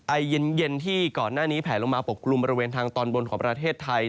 ไอเย็นที่ก่อนหน้านี้แผลลงมาปกกลุ่มบริเวณทางตอนบนของประเทศไทย